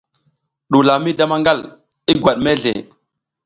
Ɗuwula mi da maƞgal, i ngwat mezle.